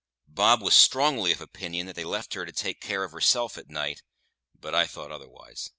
Bob was strongly of opinion that they left her to take care of herself at night, but I thought otherwise.